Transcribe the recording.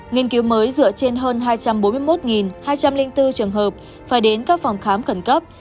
nghiên cứu mới dựa trên hơn hai trăm bốn mươi một hai trăm linh bốn trường hợp phải đến các phòng khám khẩn cấp